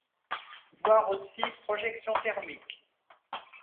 Voir aussi Projection thermique.